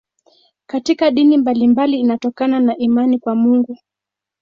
Katika dini mbalimbali inatokana na imani kwa Mungu.